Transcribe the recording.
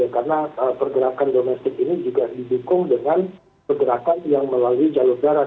karena pergerakan domestik ini juga didukung dengan pergerakan yang melalui jalur darat